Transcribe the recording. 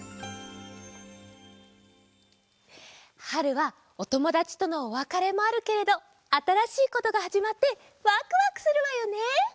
春はおともだちとのおわかれもあるけれどあたらしいことがはじまってワクワクするわよね！